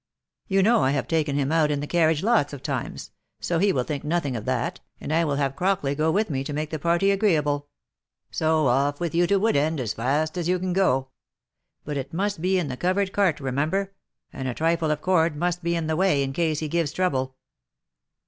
You know I have taken him out in the carriage lots of times, so he will think nothing of that — and I will have Crockley go with me to make the party agreeable. So off with you to Wood End as fast as you can go. But it must be in the covered cart remember — and a trifle of cord must be in the way in case he gives trouble."